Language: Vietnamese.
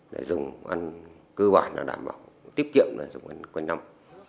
để dùng ăn cơ bản là đảm bảo tiết kiệm là dùng ăn quanh năm